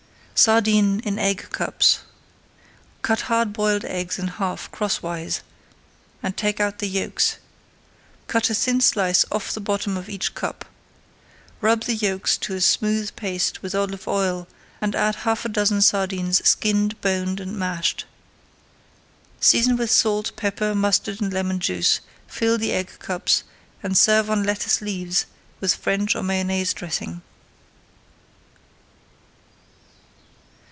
SARDINE IN EGG CUPS Cut hard boiled eggs in halves crosswise and take out the yolks. Cut a thin slice off the bottom of each cup. Rub the yolks to a smooth paste with olive oil and add half a dozen sardines skinned, boned, and mashed. Season with salt, pepper, mustard and lemon juice, fill the egg cups, and serve on lettuce leaves with French or Mayonnaise dressing.